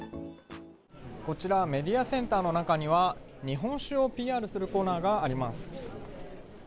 こちら、メディアセンターの中には日本酒をＰＲするコーナーがあります。